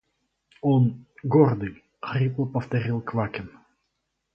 Он… гордый, – хрипло повторил Квакин